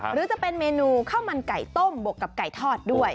หรือจะเป็นเมนูข้าวมันไก่ต้มบวกกับไก่ทอดด้วย